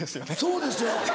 そうですよ。